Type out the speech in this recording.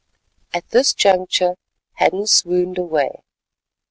At this juncture Hadden swooned away.